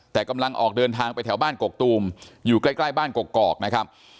แต่กำลังออกเดินทางไปแถวบ้านกกตูมอยู่ใกล้บ้านกกอกนะครับ